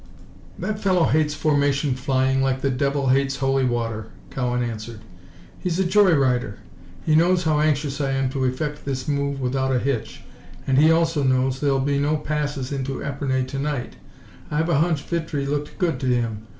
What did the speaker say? "That fellow hates formation flying like the devil hates holy water," Cowan answered. "He's a joy rider. He knows how anxious I am to effect this move without a hitch, and he also knows there'll be no passes into Epernay to night. I've a hunch Vitry looked good to him.